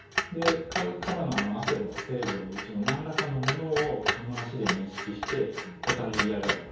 カバのあの汗の成分のうちの何らかのものを蚊の脚で認識してとたんに嫌がると。